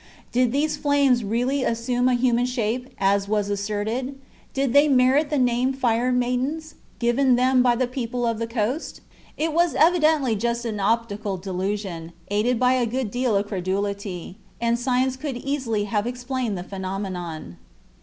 Did these flames really assume a human shape, as was asserted? Did they merit the name of fire maidens, given them by the people of the coast? It was evidently just an optical delusion, aided by a good deal of credulity, and science could easily have explained the phenomenon.